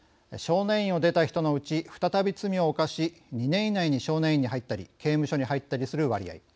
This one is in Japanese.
少年院を出た人のうち再び罪を犯し２年以内に少年院に入ったり刑務所に入ったりする割合